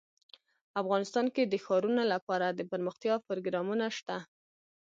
افغانستان کې د ښارونه لپاره دپرمختیا پروګرامونه شته.